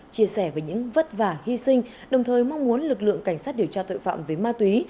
chia sẻ về những vất vả hy sinh đồng thời mong muốn lực lượng cảnh sát điều tra tội phạm về ma túy